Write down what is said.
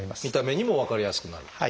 見た目にも分かりやすくなる？